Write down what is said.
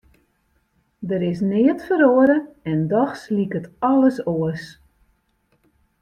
Der is neat feroare en dochs liket alles oars.